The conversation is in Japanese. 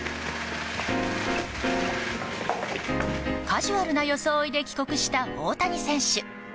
カジュアルな装いで帰国した、大谷選手。